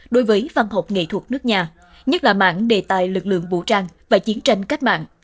đối với văn học nghệ thuật nước nhà nhất là mạng đề tài lực lượng vũ trang và chiến tranh cách mạng